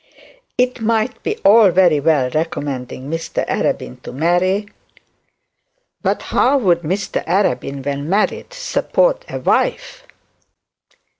It might be all very well recommending Mr Arabin to marry, but how would Mr Arabin when married support a wife?